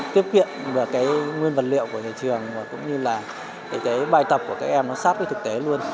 tiếp kiện nguyên vật liệu của nhà trường cũng như là bài tập của các em sát với thực tế luôn